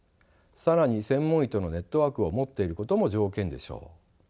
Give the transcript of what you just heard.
更に専門医とのネットワークを持っていることも条件でしょう。